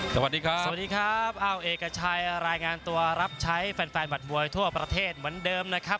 สวัสดีครับสวัสดีครับอ้าวเอกชัยรายงานตัวรับใช้แฟนแฟนบัตรมวยทั่วประเทศเหมือนเดิมนะครับ